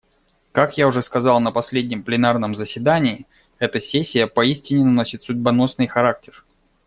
Как я уже сказал на последнем пленарном заседании, эта сессия поистине носит судьбоносный характер.